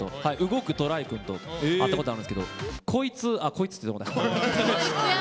動くトライくんと会ったことあるんですけど「こいつ」って言ってもうた。